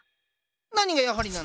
何がやはりなの？